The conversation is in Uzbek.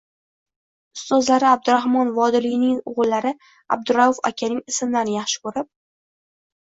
ustozlari Abduraxmon Vodiliyning o’g’illari Abdurauf akaning ismlarini yaxshi ko’rib